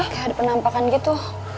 kayak ada penampakan gitu